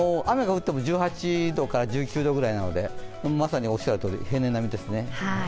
雨が降っても１８度、１９度くらいなのでまさにおっしゃるとおり、平年並みですね。